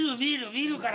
見るから。